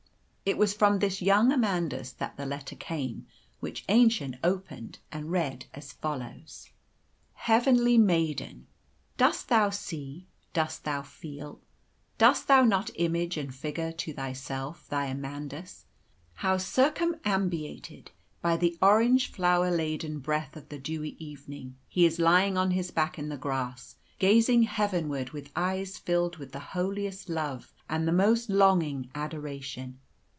It was from this young Amandus that the letter came which Aennchen opened and read, as follows: "HEAVENLY MAIDEN, "Dost thou see, dost thou feel, dost thou not image and figure to thyself, thy Amandus, how, circumambiated by the orange flower laden breath of the dewy evening, he is lying on his back in the grass, gazing heavenward with eyes filled with the holiest love and the most longing adoration?